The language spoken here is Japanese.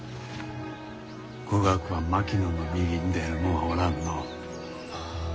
語学は槙野の右に出る者はおらんのう。